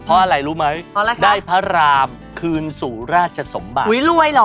เพราะอะไรรู้ไหมได้พระรามคืนสู่ราชสมบัติ